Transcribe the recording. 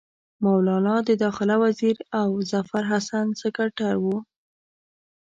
مولنا د داخله وزیر او ظفرحسن سکرټر وو.